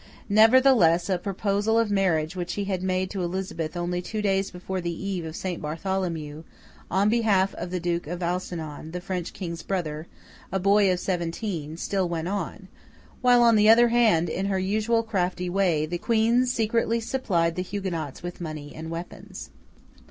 Nevertheless, a proposal of marriage which he had made to Elizabeth only two days before the eve of Saint Bartholomew, on behalf of the Duke of Alençon, the French King's brother, a boy of seventeen, still went on; while on the other hand, in her usual crafty way, the Queen secretly supplied the Huguenots with money and weapons.